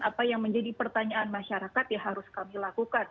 apa yang menjadi pertanyaan masyarakat ya harus kami lakukan